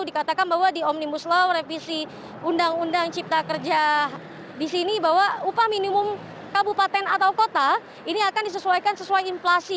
dikatakan bahwa di omnibus law revisi undang undang cipta kerja di sini bahwa upah minimum kabupaten atau kota ini akan disesuaikan sesuai inflasi